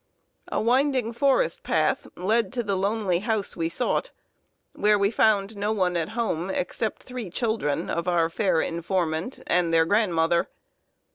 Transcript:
A winding forest path led to the lonely house we sought, where we found no one at home, except three children of our fair informant and their grandmother.